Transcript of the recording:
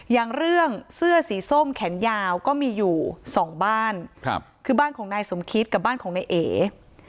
อย่างเรื่องเสื้อสีส้มแขนยาวก็มีอยู่สองบ้านคือบ้านของนายสมคิตกับบ้านของนายเอ